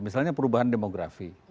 misalnya perubahan demografi